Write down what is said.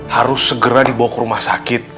harus segera dibawa ke rumah sakit